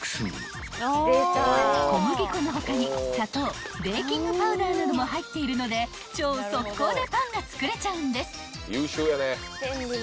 ［小麦粉の他に砂糖ベーキングパウダーなども入っているので超速攻でパンが作れちゃうんです］